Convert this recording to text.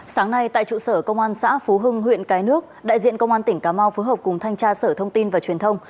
sáng nay tại trụ sở công an xã phú hưng huyện cái nước đại diện công an tỉnh cà mau phối hợp cùng thanh tra sở thông tin và truyền thông